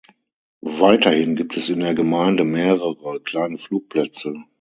Weiterhin gibt es in der Gemeinde mehrere kleine Flugplätze.